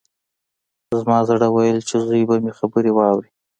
زما زړه ويل چې زوی به مې خبرې واوري.